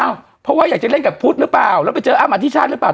เพราะว่าอยากจะเล่นกับพุทธหรือเปล่าแล้วไปเจออ้ำอธิชาติหรือเปล่า